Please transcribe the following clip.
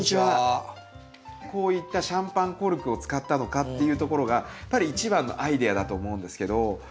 こういったシャンパンコルクを使ったのかっていうところがやっぱり一番のアイデアだと思うんですけど。